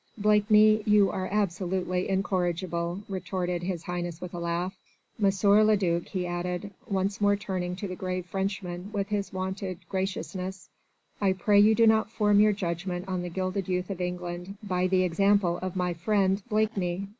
"Blakeney, you are absolutely incorrigible," retorted His Highness with a laugh. "M. le duc," he added, once more turning to the grave Frenchman with his wonted graciousness, "I pray you do not form your judgment on the gilded youth of England by the example of my friend Blakeney.